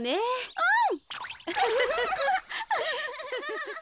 うん。